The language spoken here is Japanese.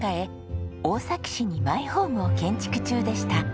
大崎市にマイホームを建築中でした。